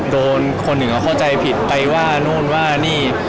โดนคนเหนือเข้าใจผิดไปว่านู่นว่านี่